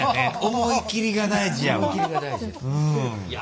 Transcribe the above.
思い切りが大事やわ。